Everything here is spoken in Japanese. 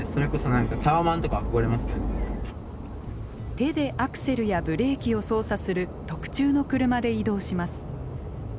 手でアクセルやブレーキを操作する特注の車で移動します。